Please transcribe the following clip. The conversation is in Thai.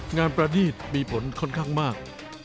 งานประดิษฐ์มีผลค่อนข้างมาก